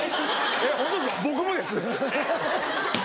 えっホントですか僕もです。